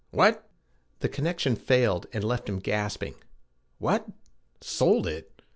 What!! ' The connection failed and left him gasping. 'What! Sold it!